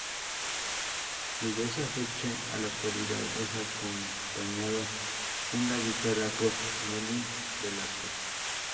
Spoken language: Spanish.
Desde esa fecha a la actualidad, es acompañado en la guitarra por Melvin Velásquez.